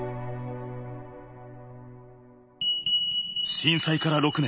震災から６年。